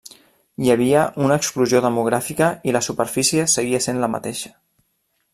Hi havia una explosió demogràfica i la superfície seguia sent la mateixa.